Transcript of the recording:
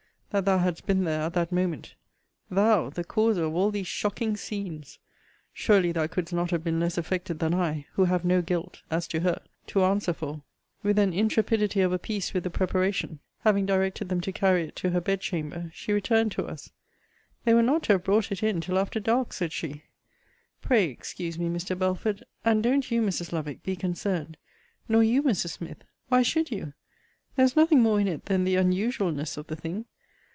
that thou hadst been there at that moment! Thou, the causer of all these shocking scenes! Surely thou couldst not have been less affected than I, who have no guilt, as to her, to answer for. With an intrepidity of a piece with the preparation, having directed them to carry it to her bed chamber, she returned to us: they were not to have brought it in till after dark, said she Pray, excuse me, Mr. Belford: and don't you, Mrs. Lovick, be concerned: nor you, Mrs. Smith. Why should you? There is nothing more in it than the unusualness of the thing.